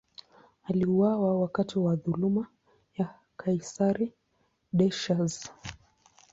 Aliuawa wakati wa dhuluma ya kaisari Decius.